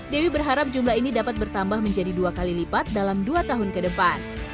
dewi berharap jumlah ini dapat bertambah menjadi dua kali lipat dalam dua tahun ke depan